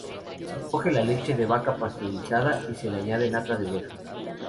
Se coge la leche de vaca pasteurizada y se le añade nata de oveja.